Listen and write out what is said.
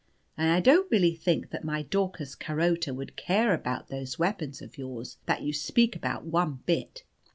And I don't really think that my Daucus Carota would care about those weapons of yours that you speak about one bit.